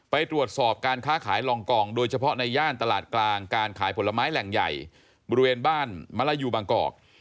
ไปตรวจสอบการค้าขายลองกองโดยเฉพาะในย่านตลาดกลางการขายผลไม้แหล่งใหญ่บริเวณบ้านมะละยูบางกอก